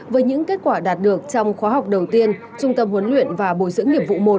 với những kết quả đạt được trong khóa học đầu tiên trung tâm huấn luyện và bồi dưỡng nghiệp vụ một